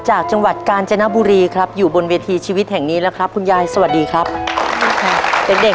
ยายแล้วตอนนี้ยายต้องทำงานหนักไหมครับทำอะไรบ้าง